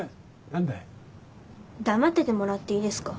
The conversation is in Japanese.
黙っててもらっていいですか？